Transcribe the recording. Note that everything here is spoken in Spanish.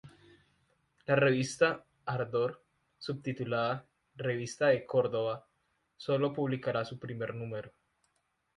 La revista "Ardor", subtitulada "Revista de Córdoba" sólo publicará su primer número.